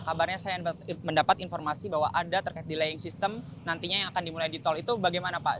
kabarnya saya mendapat informasi bahwa ada terkait delaying system nantinya yang akan dimulai di tol itu bagaimana pak